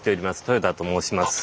豊田と申します。